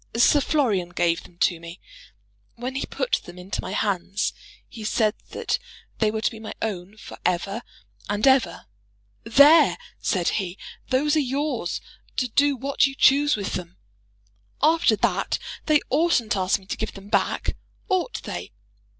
Sir Florian gave them to me. When he put them into my hands, he said that they were to be my own for ever and ever. 'There,' said he, 'those are yours to do what you choose with them.' After that they oughtn't to ask me to give them back, ought they?